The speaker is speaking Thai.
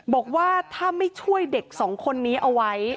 บอกว่าถ้าไม่ช่วยเด็กสองคนนี้เอาไว้